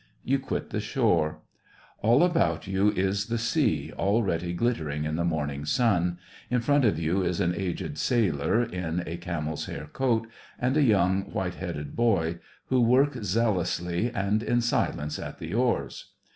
You quit the shore. All SEVASTOPOL IN DECEMBER. 7 about you is the sea, already glittering in the morning sun, in front of you is an aged sailor, in a camel's hair coat, and a young, white headed boy, who work zealously and in silence at the oars.